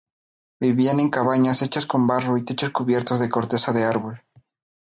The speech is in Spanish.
Vivían en cabañas hechas con barro y techos cubiertos de corteza de árbol.